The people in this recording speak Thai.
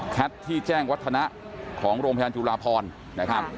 คัทที่แจ้งวัฒนะของโรงพยานจุฬาภรณ์